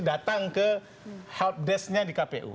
datang ke helpdesknya di kpu